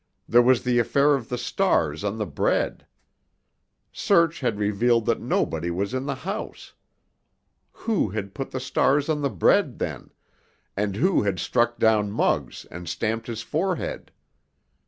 There was the affair of the stars on the bread. Search had revealed that nobody was in the house. Who had put the stars on the bread then, and who had struck down Muggs and stamped his forehead?